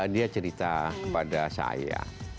dia cerita kepada saya